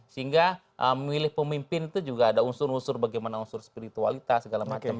sehingga memilih pemimpin itu juga ada unsur unsur bagaimana unsur spiritualitas segala macam